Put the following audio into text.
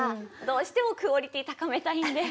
どうしてもクオリティー高めたいんで。